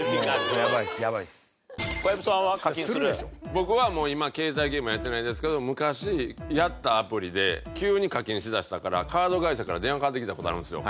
僕は今携帯ゲームはやってないですけど昔やったアプリで急に課金しだしたからカード会社から電話かかってきた事あるんですよ。